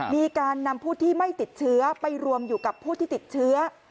มีการนำผู้ที่ไม่ติดเชื้อไปรวมอยู่กับผู้ที่ติดเชื้อ